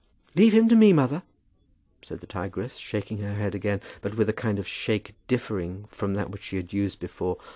"Leave him to me, mother," said the tigress, shaking her head again, but with a kind of shake differing from that which she had used before.